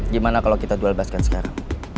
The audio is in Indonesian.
gimana kalau kita jual basket sekarang